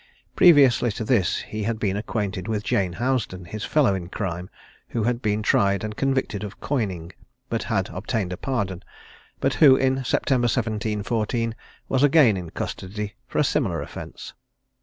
Previously to this he had been acquainted with Jane Housden, his fellow in crime, who had been tried and convicted of coining, but had obtained a pardon; but who, in September, 1714, was again in custody for a similar offence.